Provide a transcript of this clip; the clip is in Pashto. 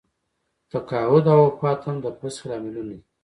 تقاعد او وفات هم د فسخې لاملونه دي.